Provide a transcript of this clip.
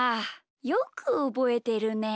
よくおぼえてるね！